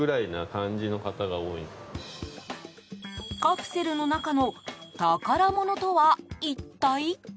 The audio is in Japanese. カプセルの中の宝物とは一体。